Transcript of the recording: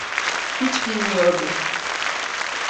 Hiç bilmiyordum.